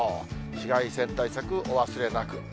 紫外線対策お忘れなく。